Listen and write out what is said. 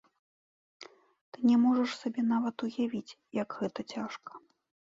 Ты не можаш сабе нават уявіць, як гэта цяжка!